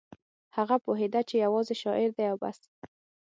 هغه پوهېده چې یوازې شاعر دی او بس